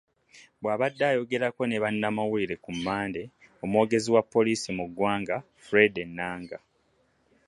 Bw'abadde ayogerako ne bannamawulire ku Mmande, omwogezi wa poliisi mu ggwanga, Fred Enanga